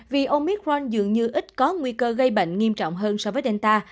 vì omicron dường như ít có nguy cơ gây bệnh nghiêm trọng hơn so với delta